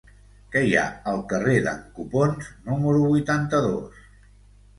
Què hi ha al carrer d'en Copons número vuitanta-dos?